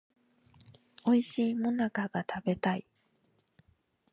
おいしい最中が食べたい